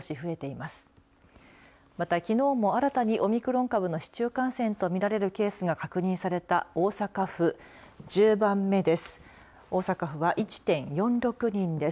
また、きのうも新たにオミクロン株の市中感染とみられるケースが確認された大阪府１０番目です。